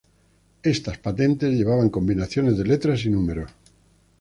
Estas patentes llevaban combinaciones de letras y números.